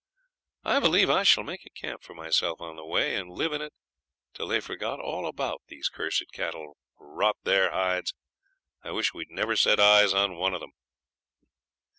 I believe I shall make a camp for myself on the way, and live in it till they've forgot all about these cursed cattle. Rot their hides, I wish we'd never have set eyes on one of them.'